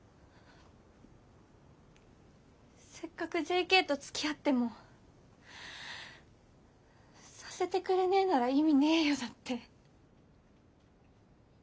「せっかくＪＫとつきあってもさせてくれねえなら意味ねえよ」だって。